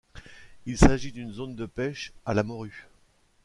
Il s'agit d'une zone de pêche à la morue.